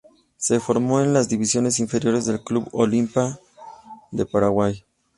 Se formó en las divisiones inferiores del Club Olimpia de Paraguay.